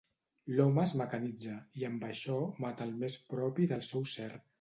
L'home es mecanitza, i amb això mata el més propi del seu ser.